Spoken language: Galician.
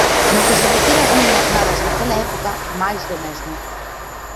No que se refire ás nenas nadas naquela época, máis do mesmo.